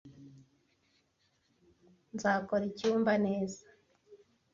Nzakora icyumba neza.